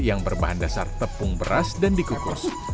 yang berbahan dasar tepung beras dan dikukus